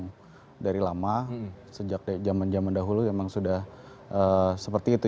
yang dari lama sejak zaman zaman dahulu memang sudah seperti itu